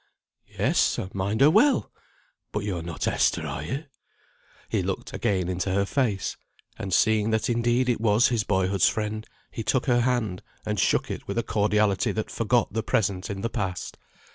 "Yes, I mind her well! But yo are not Esther, are you?" He looked again into her face, and seeing that indeed it was his boyhood's friend, he took her hand, and shook it with a cordiality that forgot the present in the past.